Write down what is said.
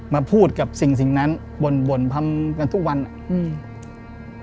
มาพูดกับสิ่งสิ่งนั้นบ่นบ่นทำกันทุกวันอ่ะอืม